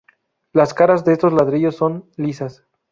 Las caras de estos ladrillos son lisas.